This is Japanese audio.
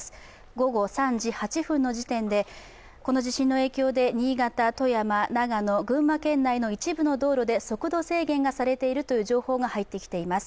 午後３時８分の時点でこの地震の影響で、新潟、富山、長野、群馬県内の一部の道路で速度制限がされているという情報が入ってきています。